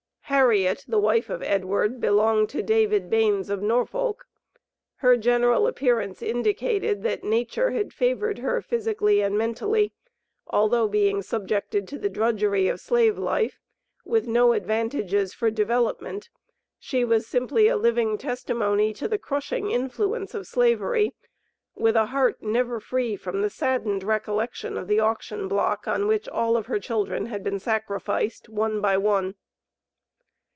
Harriet, the wife of Edward, belonged to David Baines, of Norfolk. Her general appearance indicated, that nature had favored her physically and mentally, although being subjected to the drudgery of Slave life, with no advantages for development, she was simply a living testimony to the crushing influence of Slavery with a heart never free from the saddened recollection of the auction block, on which all of her children had been sacrificed, "one by one."